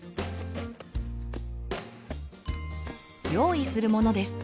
用意するものです。